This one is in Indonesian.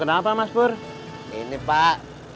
kenapa mas bur ini pak